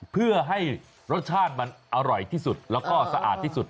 เพื่อให้รสชาติมันอร่อยที่สุดแล้วก็สะอาดที่สุด